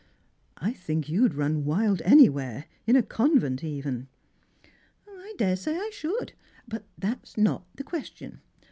I think you'd run ^fild anywhere, in a convent, even." " I daresay I should ; but that's not the question.